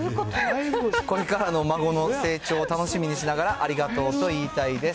これからの孫の成長を楽しみにしながら、ありがとうと言いたいです。